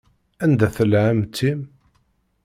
Anda tella ɛemmti-m?